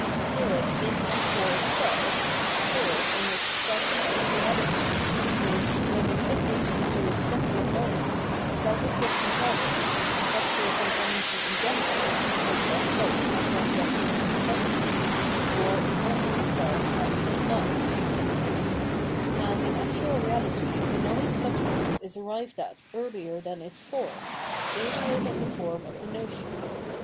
Spirit in and for itself, spirit in its self contained reality, is, when distinguished into its separate moments, self existent knowledge, conceptual comprehension in general, which as such has not yet reached the substance, or is not in itself absolute knowledge. gl2 Phenomenology of Mind, Now in actual reality the knowing substance is arrived at earlier than its form, earlier than the form of the notion.